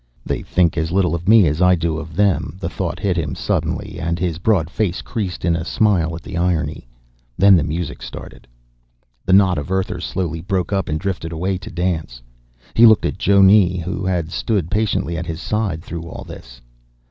They think as little of me as I do of them. The thought hit him suddenly and his broad face creased in a smile at the irony. Then the music started. The knot of Earthers slowly broke up and drifted away to dance. He looked at Jonne, who had stood patiently at his side through all this.